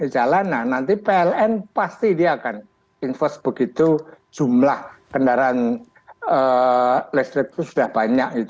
di jalanan nanti pln pasti dia akan invest begitu jumlah kendaraan listrik itu sudah banyak